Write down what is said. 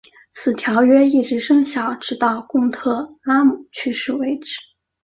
此条约一直生效直到贡特拉姆去世为止。